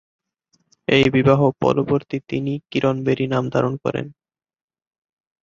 এই বিবাহ পরবর্তী তিনি 'কিরণ বেরি' নাম ধারণ করেন।